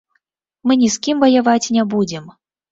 Мы ні з кім ваяваць не будзем.